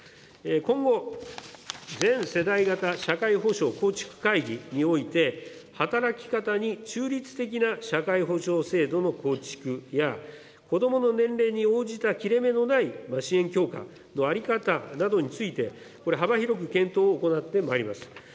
今後、全世代型社会保障構築会議において、働き方に中立的な社会保障制度の構築や、子どもの年齢に応じた切れ目のない支援強化の在り方などについて、これ、幅広く検討を行ってまいります。